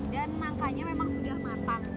dan nangkanya memang sudah matang